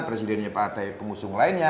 presidennya pak artai pengusung lainnya